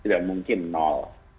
tidak mungkin nol